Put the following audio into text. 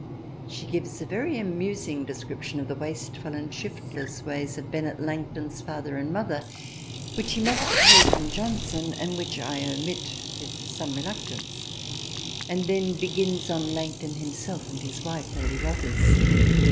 She gives a very amusing description of the wasteful and shiftless ways of Bennet Langton's father and mother which she must have heard from Johnson, and which I omit with some reluctance, and then begins on Langton himself and his wife Lady Rothes.